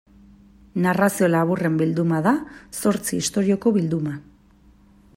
Narrazio laburren bilduma da, zortzi istorioko bilduma.